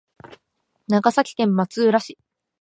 長崎県松浦市